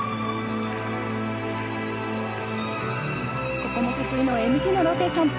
ここもＭＧのローテーション。